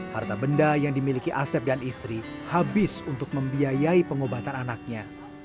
harta benda yang dimiliki asep dan istri habis untuk membiayai pengobatan anaknya